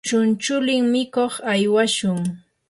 chunchulin mikuq aywashun.